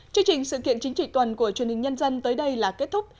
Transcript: chương trình sự kiện chính trị tuần của truyền hình nhân dân tới đây là kết thúc